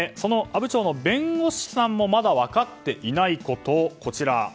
阿武町の弁護士さんもまだ分かっていないこと。